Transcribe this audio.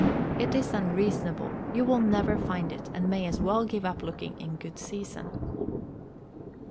It is unreasonable; you will never find it, and may as well give up looking in good season.